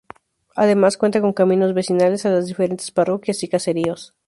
Además cuenta con caminos vecinales a las diferentes parroquias y caseríos.